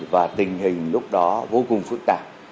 và tình hình lúc đó vô cùng phức tạp